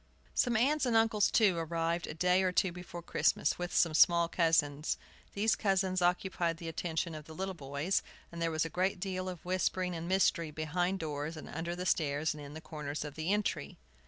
Some aunts and uncles, too, arrived a day or two before Christmas, with some small cousins. These cousins occupied the attention of the little boys, and there was a great deal of whispering and mystery, behind doors, and under the stairs, and in the corners of the entry.